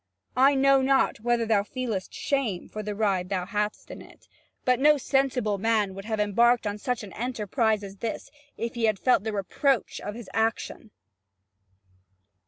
I know not whether thou feelest shame for the ride thou hadst on it, but no sensible man would have embarked on such an enterprise as this if he had felt the reproach of his action."